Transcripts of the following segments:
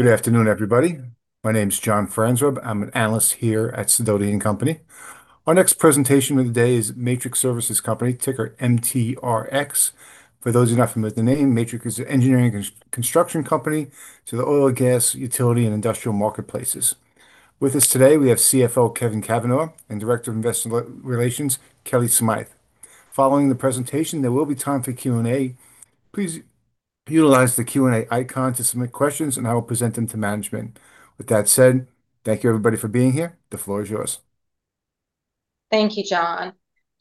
Good afternoon, everybody. My name is John Farnsworth. I'm an analyst here at Sidoti & Company. Our next presentation today is Matrix Service Company, ticker MTRX. For those who are not familiar with the name, Matrix is an engineering and construction company to the oil, gas, utility, and industrial marketplaces. With us today, we have CFO Kevin Cavanah and Director of Investor Relations, Kellie Smythe. Following the presentation, there will be time for Q&A. Please utilize the Q&A icon to submit questions, and I will present them to management. With that said, thank you, everybody, for being here. The floor is yours. Thank you, John.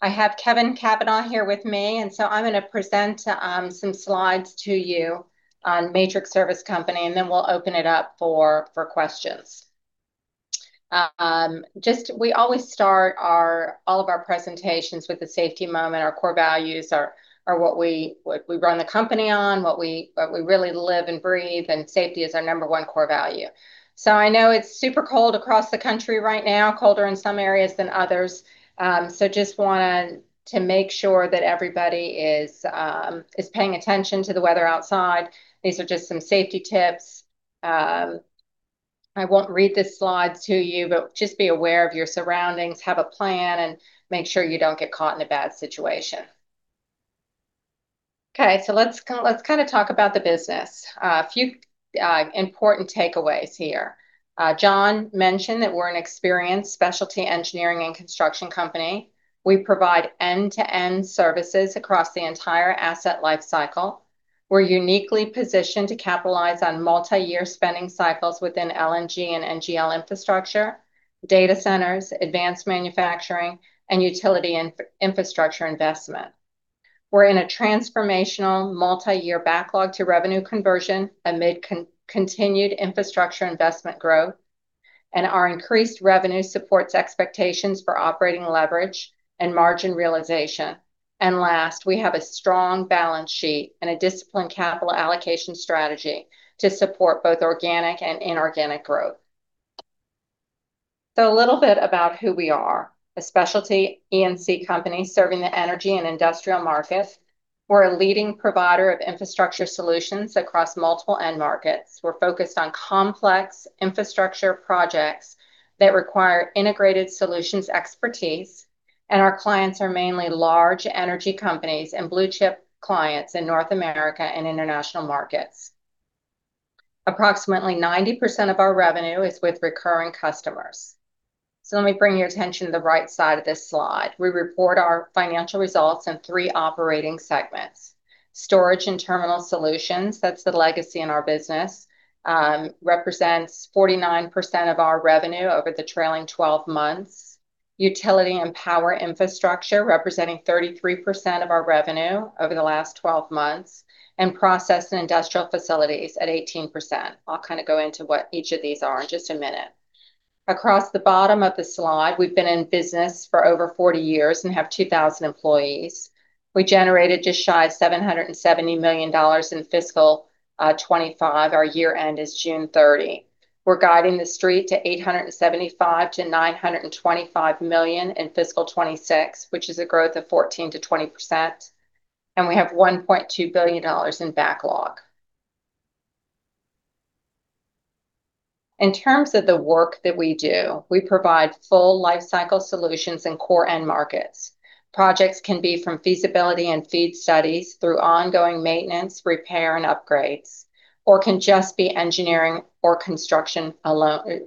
I have Kevin Cavanah here with me, and so I'm going to present some slides to you on Matrix Service Company, and then we'll open it up for questions. We always start all of our presentations with the safety moment. Our core values are what we run the company on, what we really live and breathe, and safety is our number one core value. So I know it's super cold across the country right now, colder in some areas than others. So just want to make sure that everybody is paying attention to the weather outside. These are just some safety tips. I won't read the slides to you, but just be aware of your surroundings, have a plan, and make sure you don't get caught in a bad situation. Okay, so let's kind of talk about the business. A few important takeaways here. John mentioned that we're an experienced specialty engineering and construction company. We provide end-to-end services across the entire asset life cycle. We're uniquely positioned to capitalize on multi-year spending cycles within LNG and NGL infrastructure, data centers, advanced manufacturing, and utility infrastructure investment. We're in a transformational multi-year backlog to revenue conversion amid continued infrastructure investment growth, and our increased revenue supports expectations for operating leverage and margin realization, and last, we have a strong balance sheet and a disciplined capital allocation strategy to support both organic and inorganic growth, so a little bit about who we are. A specialty E&C company serving the energy and industrial markets. We're a leading provider of infrastructure solutions across multiple end markets. We're focused on complex infrastructure projects that require integrated solutions expertise, and our clients are mainly large energy companies and blue-chip clients in North America and international markets. Approximately 90% of our revenue is with recurring customers. So let me bring your attention to the right side of this slide. We report our financial results in three operating segments: storage and terminal solutions. That's the legacy in our business. It represents 49% of our revenue over the trailing 12 months. Utility and Power Infrastructure representing 33% of our revenue over the last 12 months. And Process and Industrial Facilities at 18%. I'll kind of go into what each of these are in just a minute. Across the bottom of the slide, we've been in business for over 40 years and have 2,000 employees. We generated just shy of $770 million in fiscal 2025. Our year-end is June 30. We're guiding the street to $875-$925 million in fiscal 2026, which is a growth of 14%-20%. And we have $1.2 billion in backlog. In terms of the work that we do, we provide full life cycle solutions in core end markets. Projects can be from feasibility and FEED studies through ongoing maintenance, repair, and upgrades, or can just be engineering or construction-only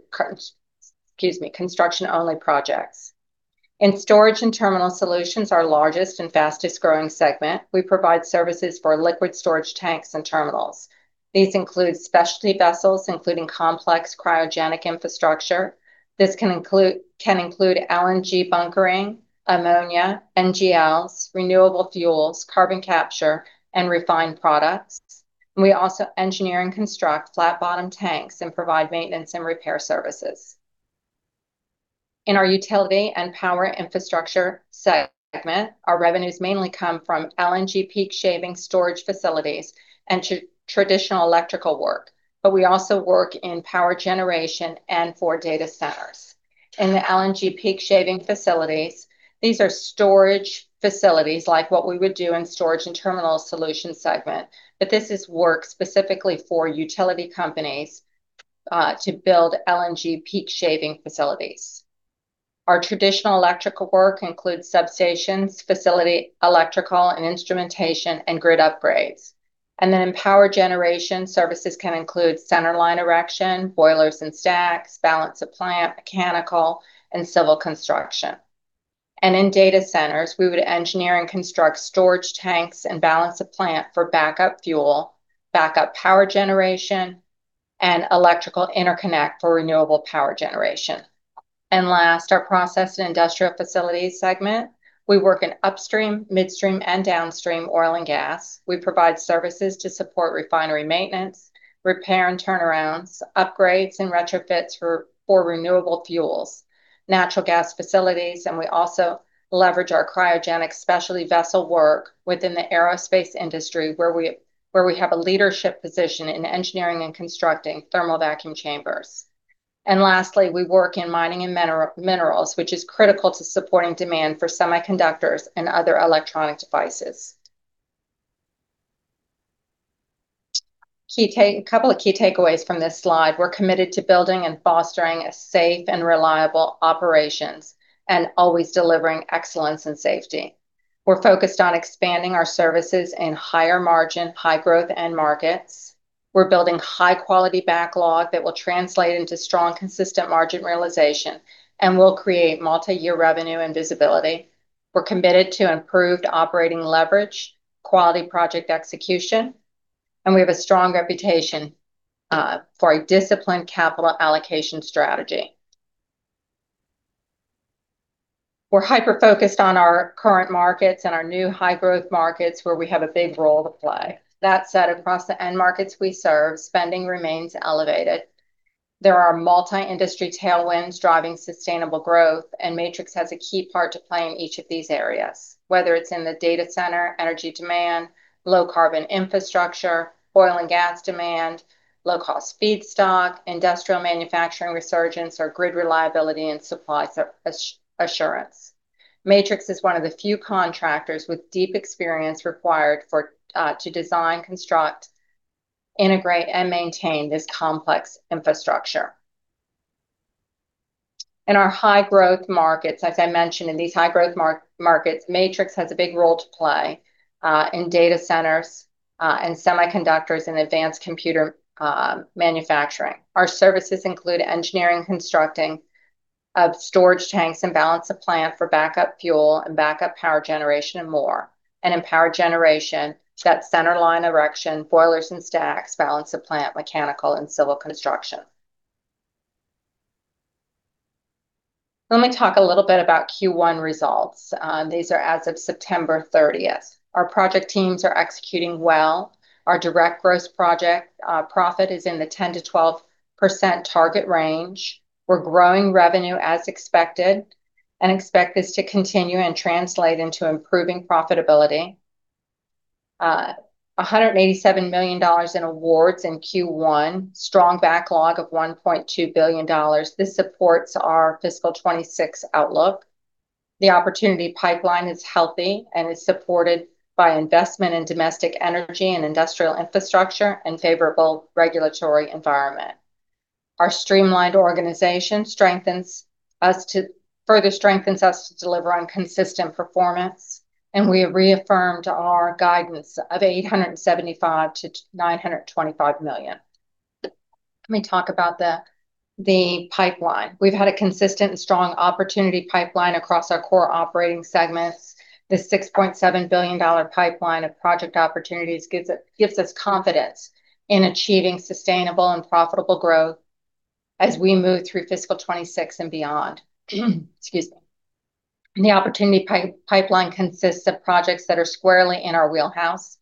projects. In Storage and Terminal Solutions, our largest and fastest-growing segment, we provide services for liquid storage tanks and terminals. These include specialty vessels, including complex cryogenic infrastructure. This can include LNG bunkering, ammonia, NGLs, renewable fuels, carbon capture, and refined products. We also engineer and construct flat-bottom tanks and provide maintenance and repair services. In our Utility and Power Infrastructure segment, our revenues mainly come from LNG peak shaving storage facilities and traditional electrical work, but we also work in power generation and for data centers. In the LNG peak shaving facilities, these are storage facilities like what we would do in storage and terminal solution segment, but this is work specifically for utility companies to build LNG peak shaving facilities. Our traditional electrical work includes substations, facility electrical and instrumentation, and grid upgrades, and then in power generation, services can include centerline erection, boilers and stacks, balance of plant, mechanical, and civil construction, and in data centers, we would engineer and construct storage tanks and balance of plant for backup fuel, backup power generation, and electrical interconnect for renewable power generation, and last, our Process and Industrial Facilities segment. We work in upstream, midstream, and downstream oil and gas. We provide services to support refinery maintenance, repair and turnarounds, upgrades, and retrofits for renewable fuels, natural gas facilities, and we also leverage our cryogenic specialty vessel work within the aerospace industry where we have a leadership position in engineering and constructing thermal vacuum chambers, and lastly, we work in mining and minerals, which is critical to supporting demand for semiconductors and other electronic devices. A couple of key takeaways from this slide. We're committed to building and fostering safe and reliable operations and always delivering excellence and safety. We're focused on expanding our services in higher margin, high-growth end markets. We're building high-quality backlog that will translate into strong, consistent margin realization and will create multi-year revenue and visibility. We're committed to improved operating leverage, quality project execution, and we have a strong reputation for a disciplined capital allocation strategy. We're hyper-focused on our current markets and our new high-growth markets where we have a big role to play. That said, across the end markets we serve, spending remains elevated. There are multi-industry tailwinds driving sustainable growth, and Matrix has a key part to play in each of these areas, whether it's in the data center, energy demand, low-carbon infrastructure, oil and gas demand, low-cost Feedstock, industrial manufacturing resurgence, or grid reliability and supply assurance. Matrix is one of the few contractors with deep experience required to design, construct, integrate, and maintain this complex infrastructure. In our high-growth markets, as I mentioned, in these high-growth markets, Matrix has a big role to play in data centers and semiconductors and advanced computer manufacturing. Our services include engineering and constructing of storage tanks and balance of plant for backup fuel and backup power generation and more, and in power generation, that's centerline erection, boilers and stacks, balance of plant, mechanical, and civil construction. Let me talk a little bit about Q1 results. These are as of September 30. Our project teams are executing well. Our direct gross project profit is in the 10%-12% target range. We're growing revenue as expected and expect this to continue and translate into improving profitability. $187 million in awards in Q1. Strong backlog of $1.2 billion. This supports our fiscal 2026 outlook. The opportunity pipeline is healthy and is supported by investment in domestic energy and industrial infrastructure and favorable regulatory environment. Our streamlined organization further strengthens us to deliver on consistent performance, and we have reaffirmed our guidance of $875-$925 million. Let me talk about the pipeline. We've had a consistent and strong opportunity pipeline across our core operating segments. The $6.7 billion pipeline of project opportunities gives us confidence in achieving sustainable and profitable growth as we move through fiscal 2026 and beyond. The opportunity pipeline consists of projects that are squarely in our wheelhouse.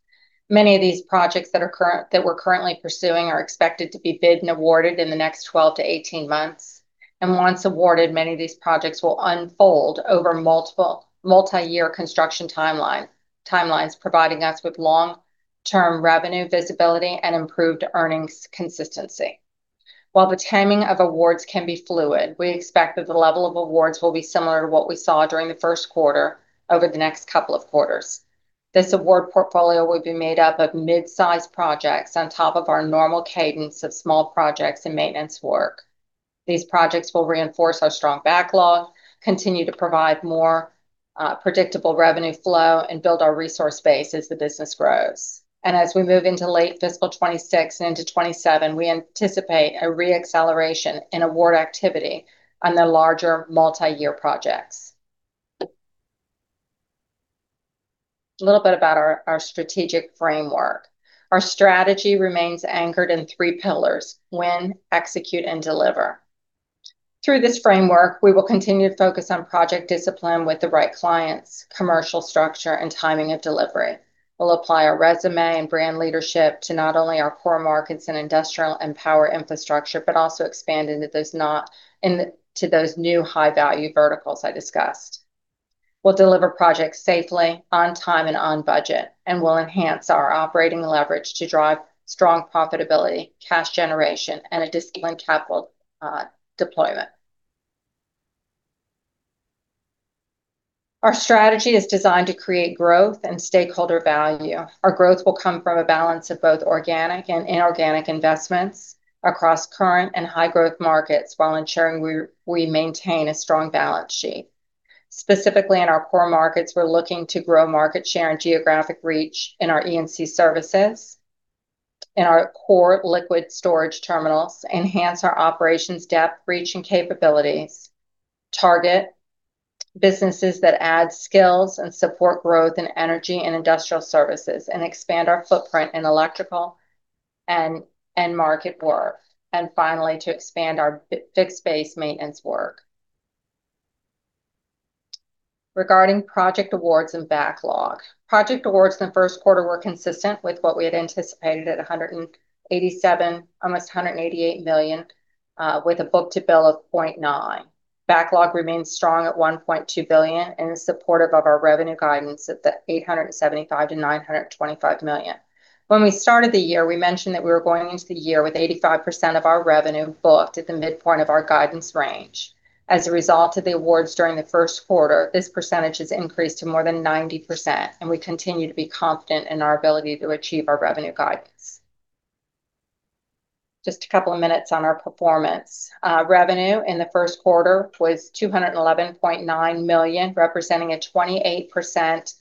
Many of these projects that we're currently pursuing are expected to be bid and awarded in the next 12-18 months, and once awarded, many of these projects will unfold over multi-year construction timelines, providing us with long-term revenue visibility and improved earnings consistency. While the timing of awards can be fluid, we expect that the level of awards will be similar to what we saw during the first quarter over the next couple of quarters. This award portfolio will be made up of mid-sized projects on top of our normal cadence of small projects and maintenance work. These projects will reinforce our strong backlog, continue to provide more predictable revenue flow, and build our resource base as the business grows. And as we move into late fiscal 2026 and into 2027, we anticipate a re-acceleration in award activity on the larger multi-year projects. A little bit about our strategic framework. Our strategy remains anchored in three pillars: win, execute, and deliver. Through this framework, we will continue to focus on project discipline with the right clients, commercial structure, and timing of delivery. We'll apply our resume and brand leadership to not only our core markets and industrial and power infrastructure, but also expand into those new high-value verticals I discussed. We'll deliver projects safely, on time, and on budget, and we'll enhance our operating leverage to drive strong profitability, cash generation, and a disciplined capital deployment. Our strategy is designed to create growth and stakeholder value. Our growth will come from a balance of both organic and inorganic investments across current and high-growth markets while ensuring we maintain a strong balance sheet. Specifically, in our core markets, we're looking to grow market share and geographic reach in our ENC services, in our core liquid storage terminals, enhance our operations depth, reach, and capabilities, target businesses that add skills and support growth in energy and industrial services, and expand our footprint in electrical and end market work, and finally, to expand our fixed-based maintenance work. Regarding project awards and backlog, project awards in the first quarter were consistent with what we had anticipated at almost $188 million, with a book-to-bill of 0.9. Backlog remains strong at $1.2 billion and is supportive of our revenue guidance at the $875-$925 million. When we started the year, we mentioned that we were going into the year with 85% of our revenue booked at the midpoint of our guidance range. As a result of the awards during the first quarter, this percentage has increased to more than 90%, and we continue to be confident in our ability to achieve our revenue guidance. Just a couple of minutes on our performance. Revenue in the first quarter was $211.9 million, representing a 28%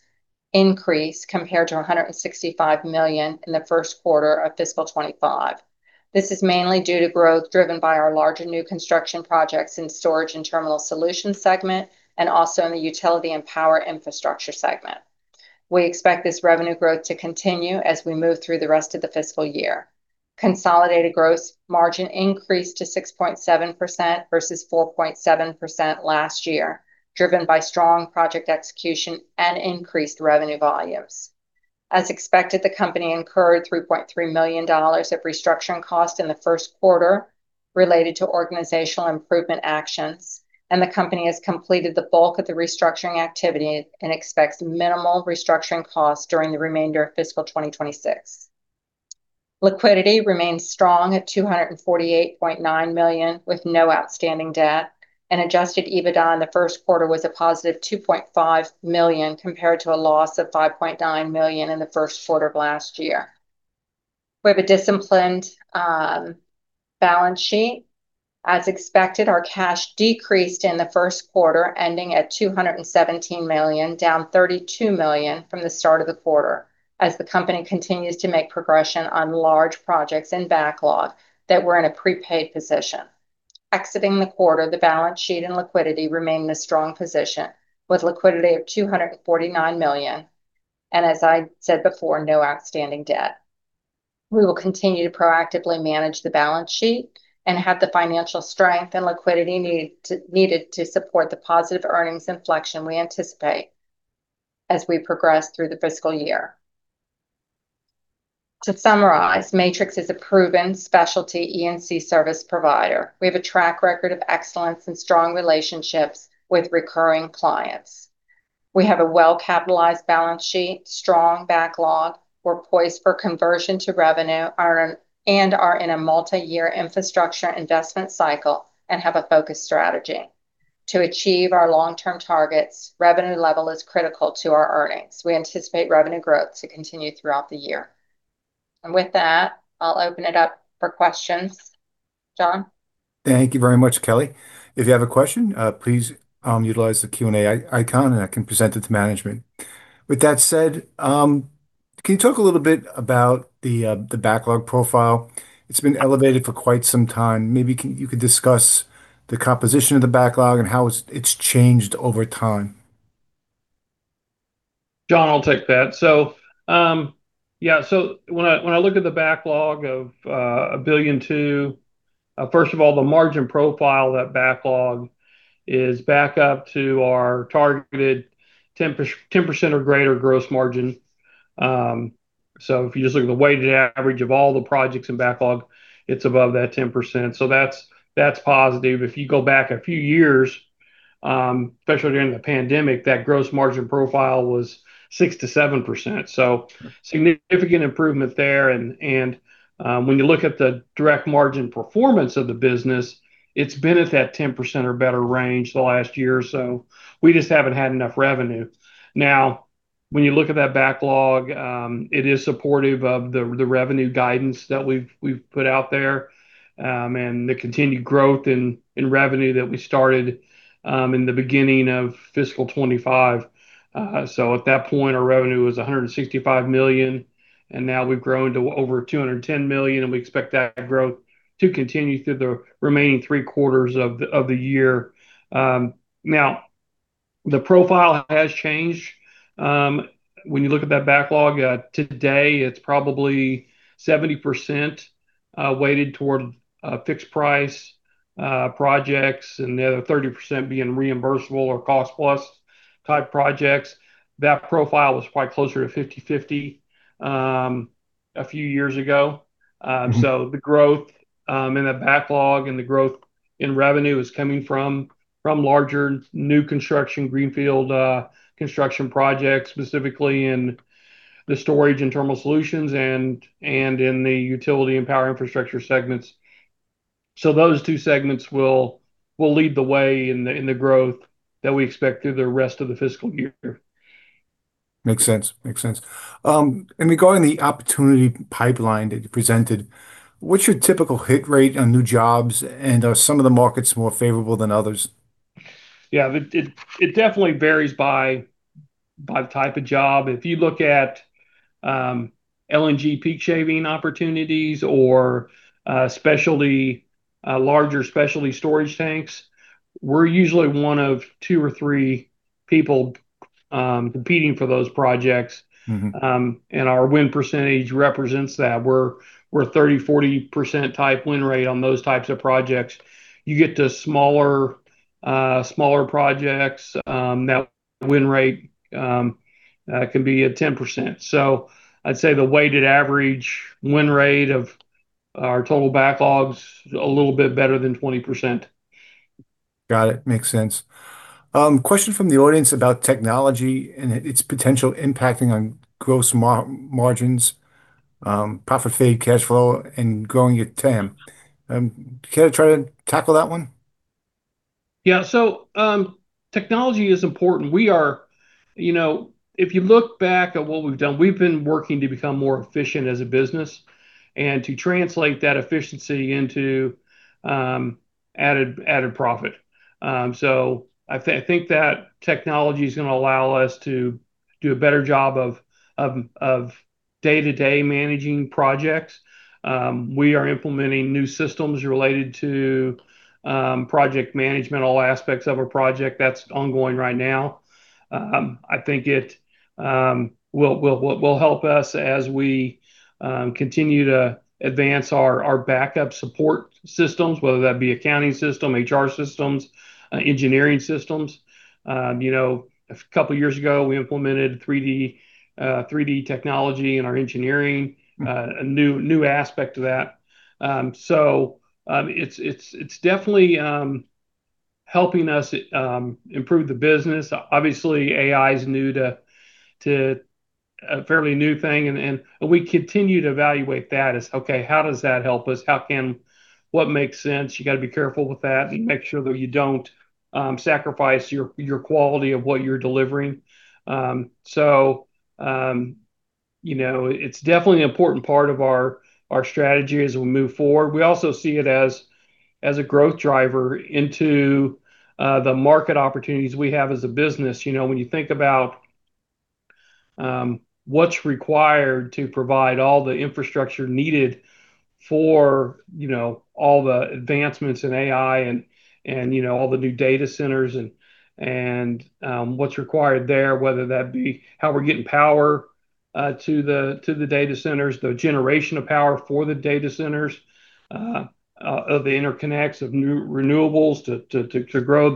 increase compared to $165 million in the first quarter of fiscal 2025. This is mainly due to growth driven by our larger new construction projects in storage and terminal solution segment and also in the Utility and Power Infrastructure segment. We expect this revenue growth to continue as we move through the rest of the fiscal year. Consolidated gross margin increased to 6.7% versus 4.7% last year, driven by strong project execution and increased revenue volumes. As expected, the company incurred $3.3 million of restructuring costs in the first quarter related to organizational improvement actions, and the company has completed the bulk of the restructuring activity and expects minimal restructuring costs during the remainder of fiscal 2026. Liquidity remains strong at $248.9 million with no outstanding debt, and adjusted EBITDA in the first quarter was a positive $2.5 million compared to a loss of $5.9 million in the first quarter of last year. We have a disciplined balance sheet. As expected, our cash decreased in the first quarter, ending at $217 million, down $32 million from the start of the quarter as the company continues to make progression on large projects and backlog that were in a prepaid position. Exiting the quarter, the balance sheet and liquidity remain in a strong position with liquidity of $249 million, and as I said before, no outstanding debt. We will continue to proactively manage the balance sheet and have the financial strength and liquidity needed to support the positive earnings inflection we anticipate as we progress through the fiscal year. To summarize, Matrix is a proven specialty ENC service provider. We have a track record of excellence and strong relationships with recurring clients. We have a well-capitalized balance sheet, strong backlog. We're poised for conversion to revenue and are in a multi-year infrastructure investment cycle and have a focus strategy. To achieve our long-term targets, revenue level is critical to our earnings. We anticipate revenue growth to continue throughout the year. And with that, I'll open it up for questions. John? Thank you very much, Kellie. If you have a question, please utilize the Q&A icon, and I can present it to management. With that said, can you talk a little bit about the backlog profile? It's been elevated for quite some time. Maybe you could discuss the composition of the backlog and how it's changed over time. John, I'll take that. So yeah, so when I look at the backlog of $1 billion, first of all, the margin profile of that backlog is back up to our targeted 10% or greater gross margin. So if you just look at the weighted average of all the projects in backlog, it's above that 10%. So that's positive. If you go back a few years, especially during the pandemic, that gross margin profile was 6%-7%. So significant improvement there. And when you look at the direct margin performance of the business, it's been at that 10% or better range the last year or so. We just haven't had enough revenue. Now, when you look at that backlog, it is supportive of the revenue guidance that we've put out there and the continued growth in revenue that we started in the beginning of fiscal 2025. So at that point, our revenue was $165 million, and now we've grown to over $210 million, and we expect that growth to continue through the remaining three quarters of the year. Now, the profile has changed. When you look at that backlog today, it's probably 70% weighted toward fixed-price projects and the other 30% being reimbursable or cost-plus type projects. That profile was quite closer to 50/50 a few years ago. So the growth in the backlog and the growth in revenue is coming from larger new construction, greenfield construction projects, specifically in the Storage and Terminal Solutions and in the Utility and Power Infrastructure segments. So those two segments will lead the way in the growth that we expect through the rest of the fiscal year. Makes sense. Makes sense. And regarding the opportunity pipeline that you presented, what's your typical hit rate on new jobs, and are some of the markets more favorable than others? Yeah, it definitely varies by the type of job. If you look at LNG peak shaving opportunities or larger specialty storage tanks, we're usually one of two or three people competing for those projects, and our win percentage represents that. We're a 30%-40% type win rate on those types of projects. You get to smaller projects, that win rate can be at 10%. So I'd say the weighted average win rate of our total backlog is a little bit better than 20%. Got it. Makes sense. Question from the audience about technology and its potential impacting on gross margins, profit-to-free cash flow, and growing at TAM. Kellie, try to tackle that one. Yeah. So technology is important. If you look back at what we've done, we've been working to become more efficient as a business and to translate that efficiency into added profit. So I think that technology is going to allow us to do a better job of day-to-day managing projects. We are implementing new systems related to project management, all aspects of a project. That's ongoing right now. I think it will help us as we continue to advance our backup support systems, whether that be accounting system, HR systems, engineering systems. A couple of years ago, we implemented 3D technology in our engineering, a new aspect of that. So it's definitely helping us improve the business. Obviously, AI is a fairly new thing, and we continue to evaluate that as, "Okay, how does that help us? What makes sense?" You got to be careful with that and make sure that you don't sacrifice your quality of what you're delivering. So it's definitely an important part of our strategy as we move forward. We also see it as a growth driver into the market opportunities we have as a business. When you think about what's required to provide all the infrastructure needed for all the advancements in AI and all the new data centers and what's required there, whether that be how we're getting power to the data centers, the generation of power for the data centers, of the interconnects, of renewables to grow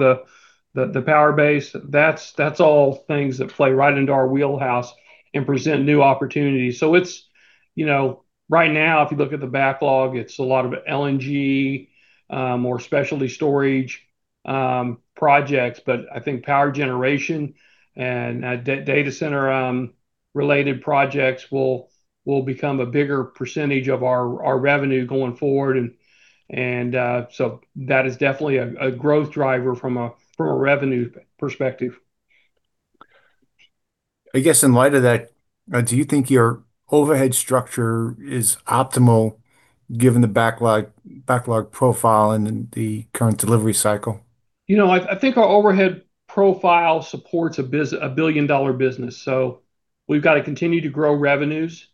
the power base. That's all things that play right into our wheelhouse and present new opportunities. So right now, if you look at the backlog, it's a lot of LNG or specialty storage projects, but I think power generation and data center-related projects will become a bigger percentage of our revenue going forward. And so that is definitely a growth driver from a revenue perspective. I guess in light of that, do you think your overhead structure is optimal given the backlog profile and the current delivery cycle? I think our overhead profile supports a billion-dollar business, so we've got to continue to grow revenues.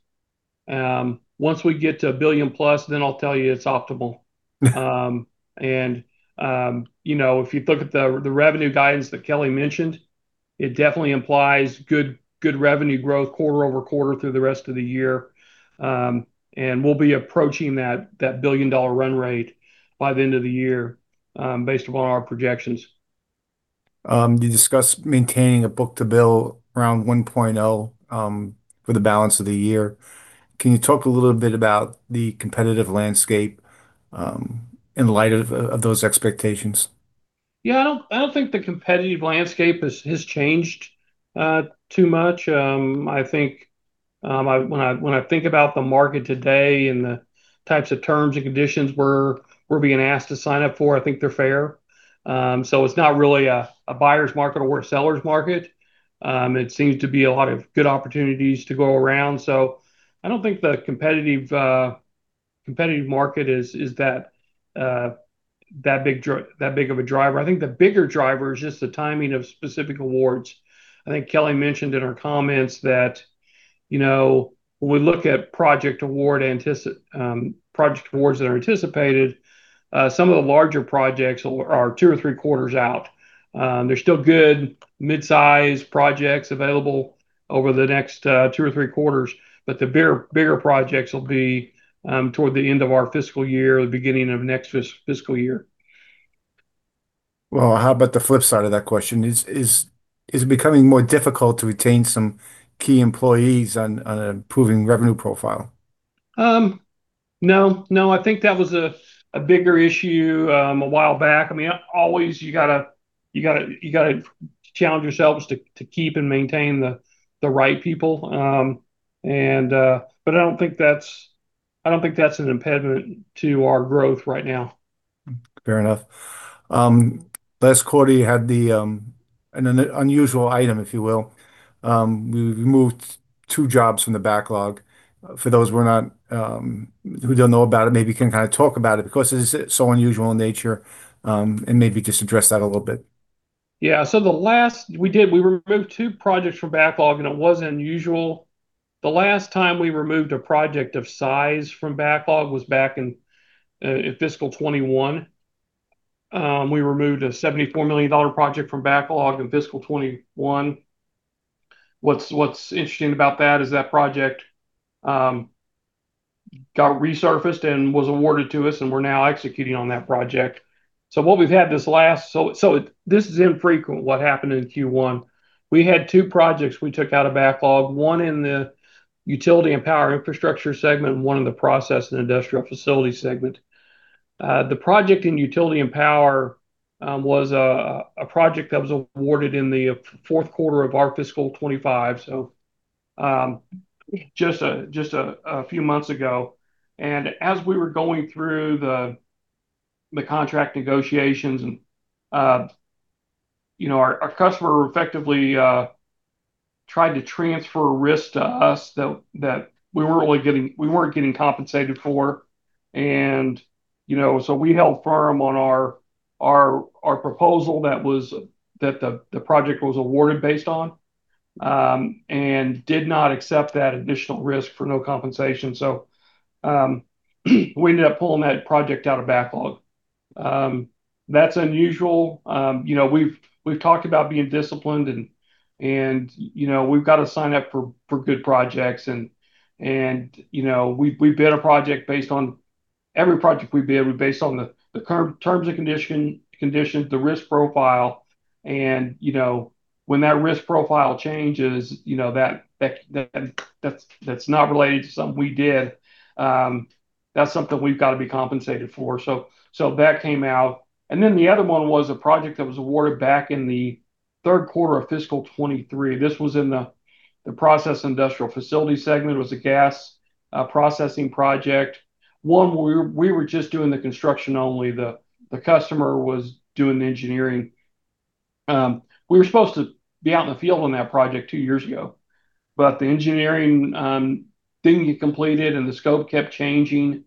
Once we get to a billion plus, then I'll tell you it's optimal, and if you look at the revenue guidance that Kellie mentioned, it definitely implies good revenue growth quarter over quarter through the rest of the year, and we'll be approaching that billion-dollar run rate by the end of the year based upon our projections. You discussed maintaining a book-to-bill around 1.0 for the balance of the year. Can you talk a little bit about the competitive landscape in light of those expectations? Yeah, I don't think the competitive landscape has changed too much. I think when I think about the market today and the types of terms and conditions we're being asked to sign up for, I think they're fair. It's not really a buyer's market or a seller's market. It seems to be a lot of good opportunities to go around. So I don't think the competitive market is that big of a driver. I think the bigger driver is just the timing of specific awards. I think Kellie mentioned in her comments that when we look at project awards that are anticipated, some of the larger projects are two or three quarters out. There's still good mid-size projects available over the next two or three quarters, but the bigger projects will be toward the end of our fiscal year or the beginning of next fiscal year. Well, how about the flip side of that question? Is it becoming more difficult to retain some key employees and improving revenue profile? No. No, I think that was a bigger issue a while back. I mean, always you got to challenge yourselves to keep and maintain the right people. But I don't think that's an impediment to our growth right now. Fair enough. Last quarter, you had an unusual item, if you will. We removed two jobs from the backlog. For those who don't know about it, maybe you can kind of talk about it because it's so unusual in nature, and maybe just address that a little bit. Yeah, so we removed two projects from backlog, and it wasn't unusual. The last time we removed a project of size from backlog was back in fiscal 2021. We removed a $74 million project from backlog in fiscal 2021. What's interesting about that is that project got resurfaced and was awarded to us, and we're now executing on that project. So what we've had this last so this is infrequent, what happened in Q1. We had two projects we took out of backlog, one in the Utility and Power Infrastructure segment and one in the process and industrial facility segment. The project in utility and power was a project that was awarded in the fourth quarter of our fiscal 2025, so just a few months ago, and as we were going through the contract negotiations, our customer effectively tried to transfer risk to us that we weren't getting compensated for, and so we held firm on our proposal that the project was awarded based on and did not accept that additional risk for no compensation, so we ended up pulling that project out of backlog. That's unusual. We've talked about being disciplined, and we've got to sign up for good projects, and we bid a project based on every project we bid. We based on the terms and conditions, the risk profile. And when that risk profile changes, that's not related to something we did. That's something we've got to be compensated for. So that came out. And then the other one was a project that was awarded back in the third quarter of fiscal 2023. This was in the process industrial facility segment. It was a gas processing project. One, we were just doing the construction only. The customer was doing the engineering. We were supposed to be out in the field on that project two years ago, but the engineering didn't get completed, and the scope kept changing.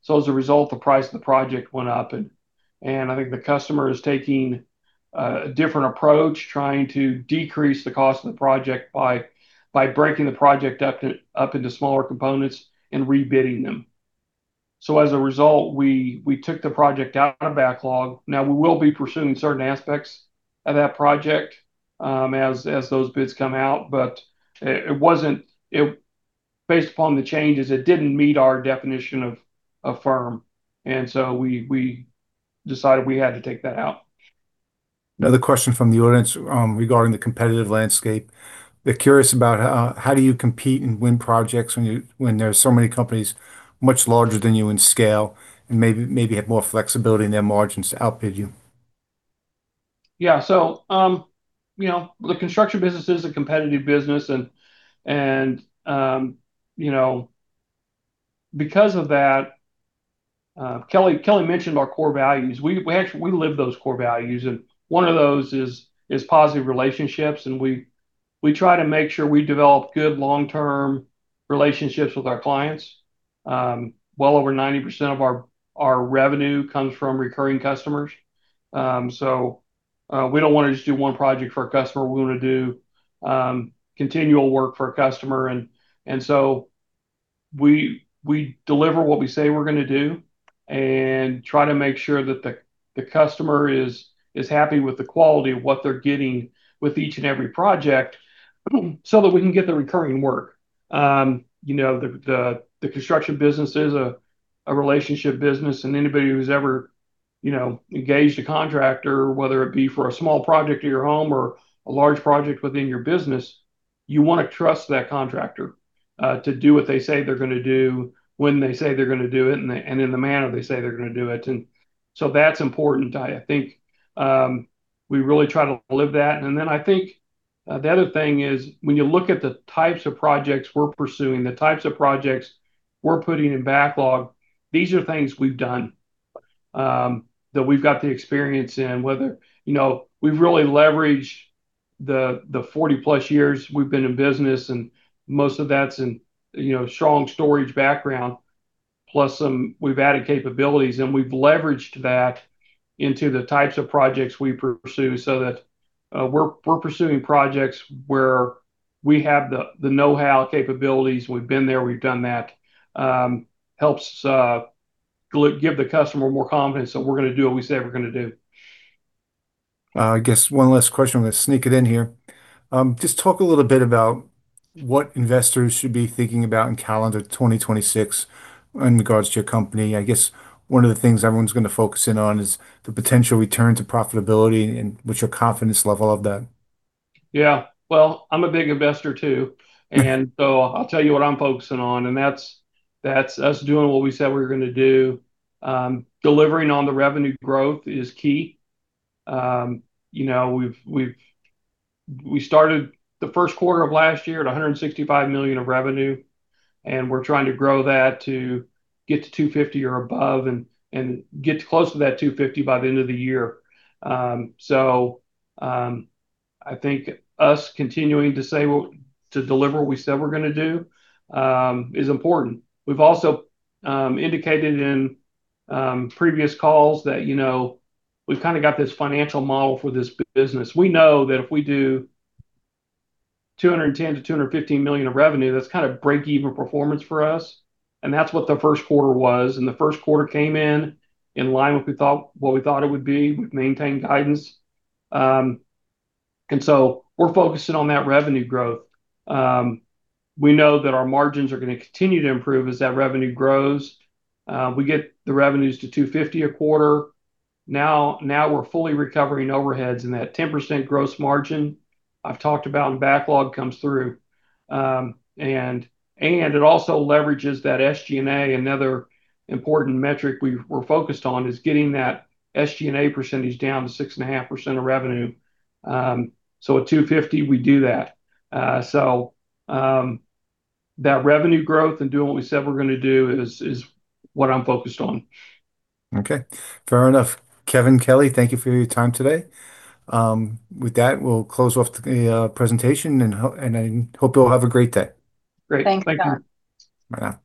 So as a result, the price of the project went up. And I think the customer is taking a different approach, trying to decrease the cost of the project by breaking the project up into smaller components and rebidding them. So as a result, we took the project out of backlog. Now, we will be pursuing certain aspects of that project as those bids come out, but based upon the changes, it didn't meet our definition of firm, and so we decided we had to take that out. Another question from the audience regarding the competitive landscape. They're curious about how do you compete and win projects when there are so many companies much larger than you in scale and maybe have more flexibility in their margins to outbid you? Yeah, so the construction business is a competitive business, and because of that, Kellie mentioned our core values. We live those core values, and one of those is positive relationships, and we try to make sure we develop good long-term relationships with our clients. Well over 90% of our revenue comes from recurring customers, so we don't want to just do one project for a customer. We want to do continual work for a customer. And so we deliver what we say we're going to do and try to make sure that the customer is happy with the quality of what they're getting with each and every project so that we can get the recurring work. The construction business is a relationship business. And anybody who's ever engaged a contractor, whether it be for a small project in your home or a large project within your business, you want to trust that contractor to do what they say they're going to do when they say they're going to do it and in the manner they say they're going to do it. And so that's important. I think we really try to live that. And then I think the other thing is when you look at the types of projects we're pursuing, the types of projects we're putting in backlog. These are things we've done that we've got the experience in. We've really leveraged the 40-plus years we've been in business, and most of that's in strong storage background, plus some we've added capabilities. And we've leveraged that into the types of projects we pursue so that we're pursuing projects where we have the know-how, capabilities. We've been there. We've done that. Helps give the customer more confidence that we're going to do what we say we're going to do. I guess one last question. I'm going to sneak it in here. Just talk a little bit about what investors should be thinking about in calendar 2026 in regards to your company. I guess one of the things everyone's going to focus in on is the potential return to profitability and what's your confidence level of that? Yeah. Well, I'm a big investor too. And so I'll tell you what I'm focusing on. And that's us doing what we said we were going to do. Delivering on the revenue growth is key. We started the first quarter of last year at $165 million of revenue, and we're trying to grow that to get to $250 million or above and get close to that $250 million by the end of the year. So I think us continuing to deliver what we said we're going to do is important. We've also indicated in previous calls that we've kind of got this financial model for this business. We know that if we do $210-$215 million of revenue, that's kind of break-even performance for us. And that's what the first quarter was. And the first quarter came in in line with what we thought it would be. We've maintained guidance. And so we're focusing on that revenue growth. We know that our margins are going to continue to improve as that revenue grows. We get the revenues to 250 a quarter. Now we're fully recovering overheads in that 10% gross margin I've talked about in backlog comes through. And it also leverages that SG&A. Another important metric we're focused on is getting that SG&A percentage down to 6.5% of revenue. So at 250, we do that. So that revenue growth and doing what we said we're going to do is what I'm focused on. Okay. Fair enough. Kevin, Kellie, thank you for your time today. With that, we'll close off the presentation, and I hope you'll have a great day. Great. Thank you. Thank you. All right.